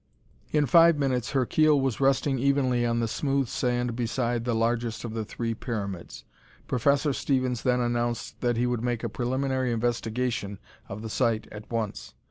In five minutes, her keel was resting evenly on the smooth sand beside the largest of the three pyramids. Professor Stevens then announced that he would make a preliminary investigation of the site at once.